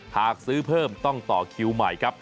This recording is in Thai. หากซื้อเพิ่มต้องต่อคิวใหม่ครับ